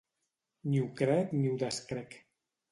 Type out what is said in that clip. Ni ho crec ni ho descrec.